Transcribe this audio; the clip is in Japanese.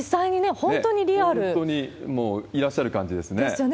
本当にもういらっしゃる感じですね。ですよね。